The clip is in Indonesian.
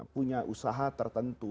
punya usaha tertentu